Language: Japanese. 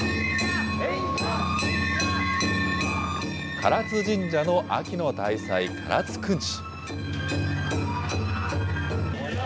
唐津神社の秋の大祭、唐津くんち。